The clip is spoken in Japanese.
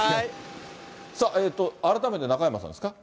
さあ、改めて中山さんですか？